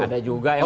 ada juga yang